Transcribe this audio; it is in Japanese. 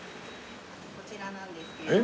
こちらなんですけれども。